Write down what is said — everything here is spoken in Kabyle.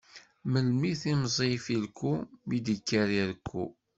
Melmi temẓi ifilku, mi d-ikker irekku?